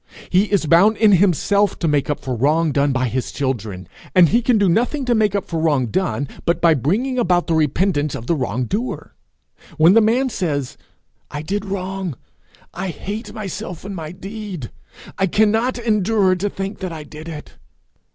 He is bound in himself to make up for wrong done by his children, and he can do nothing to make up for wrong done but by bringing about the repentance of the wrong doer. When the man says, 'I did wrong; I hate myself and my deed; I cannot endure to think that I did it!'